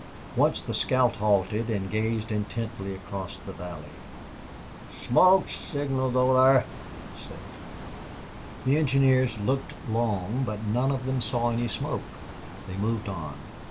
Once the scout halted and gazed intently across the valley. "Smoke signals over thar," he said. The engineers looked long, but none of them saw any smoke. They moved on.